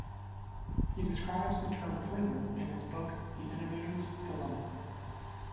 He describes the term further in his book "The Innovator's Dilemma".